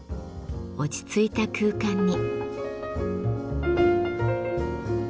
落ち着いた空間に。